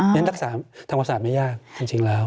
อย่างนั้นทำอาศาสตร์ไม่ยากจริงแล้ว